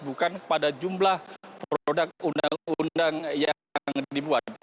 bukan kepada jumlah produk undang undang yang dibuat